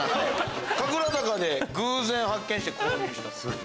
神楽坂で偶然発見して購入した。